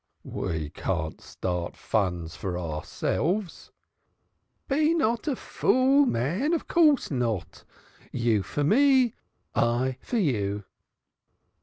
"We can't start funds for ourselves." "Be not a fool man; of course not. You for me, I for you."